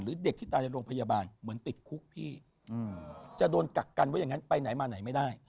เด็กที่ตายในโรงพยาบาลเหมือนติดคุกพี่จะโดนกักกันไว้อย่างนั้นไปไหนมาไหนไม่ได้